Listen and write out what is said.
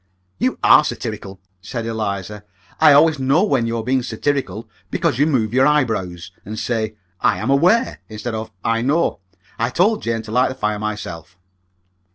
"You are satirical!" said Eliza. "I always know when you are being satirical, because you move your eyebrows, and say, 'I am aware,' instead of 'I know.' I told Jane to light the fire myself."